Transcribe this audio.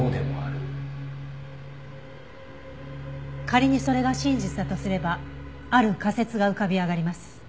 仮にそれが真実だとすればある仮説が浮かび上がります。